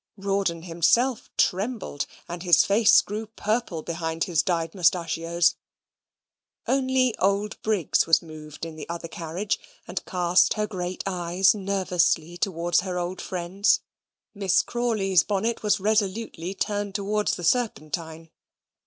Rawdon himself trembled, and his face grew purple behind his dyed mustachios. Only old Briggs was moved in the other carriage, and cast her great eyes nervously towards her old friends. Miss Crawley's bonnet was resolutely turned towards the Serpentine.